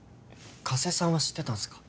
加瀬さんは知ってたんすか？